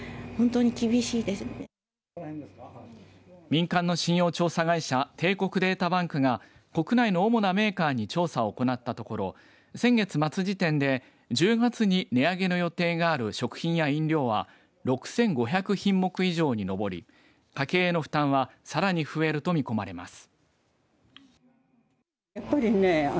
民間の信用調査会社帝国データバンクが国内の主なメーカーに調査を行ったところ１０月に値上げの予定がある食品や飲料は６５００品目以上に上り家計への負担は、さらに増えると見込まれています。